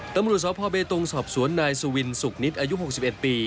ตำลูกสาวพ่อเบตงค์สอบสวนนายสุวินสุกนิดอายุหกสิบเอ็ดปี